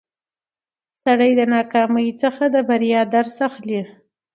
سړی د ناکامۍ څخه د بریا درس اخلي